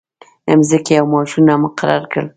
مځکې او معاشونه مقرر کړل.